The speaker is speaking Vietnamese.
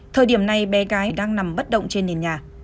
thời điểm này bé gái đang nằm bất động trên nền nhà